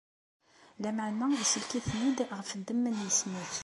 Lameɛna, isellek-iten-id ɣef ddemma n yisem-is.